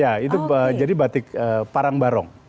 ya itu jadi batik parang barong